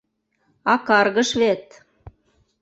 А каргыш вет.